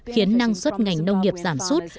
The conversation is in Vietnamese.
khiến năng suất ngành nông nghiệp giảm suốt